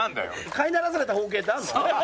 飼いならされたホウケイってあるの？